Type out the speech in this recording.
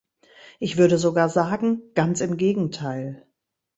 Ich würde sogar sagen, ganz im Gegenteil.